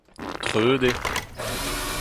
Treut eo.